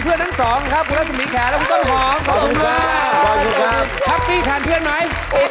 เพื่อนกันหมดเลย